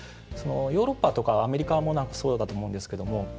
ヨーロッパとかアメリカもそうだと思うんですけど